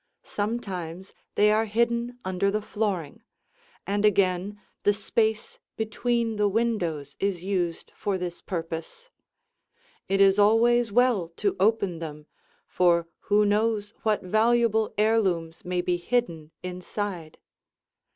Sometimes they are hidden under the flooring, and again the space between the windows is used for this purpose. It is always well to open them, for who knows what valuable heirlooms may be hidden inside.